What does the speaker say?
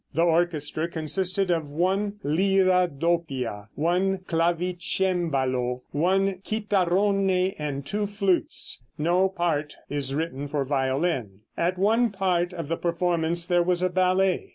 The orchestra consisted of one lira doppia, one clavicembalo, one chitarrone and two flutes. No part is written for violin. At one part of the performance there was a ballet.